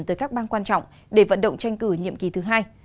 tới các bang quan trọng để vận động tranh cử nhiệm kỳ thứ hai